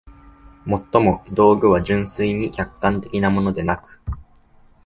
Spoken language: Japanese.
尤も、道具は純粋に客観的なものでなく、